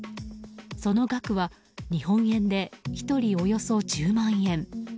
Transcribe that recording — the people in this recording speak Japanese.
その額は日本円で１人およそ１０万円。